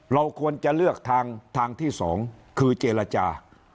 เราควรจะเลือกทางทางที่๒คือเจรจา